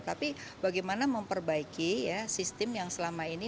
tapi bagaimana memperbaiki sistem yang selama ini